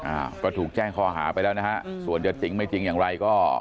อ่าก็ถูกแจ้งข้อหาไปแล้วนะฮะส่วนจะจริงไม่จริงอย่างไรก็